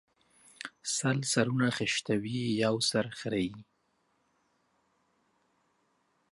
سل سرونه خشتوي ، يو سر خريي